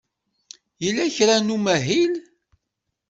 Yella kra n umahil?